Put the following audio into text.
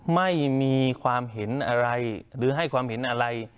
ไม่มีความเห็นอะไรหรือให้ความเห็นอะไร